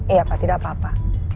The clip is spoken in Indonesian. iya pak tidak apa apa